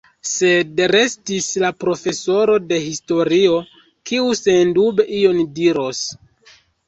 Sed restis la profesoro de historio, kiu sendube ion diros.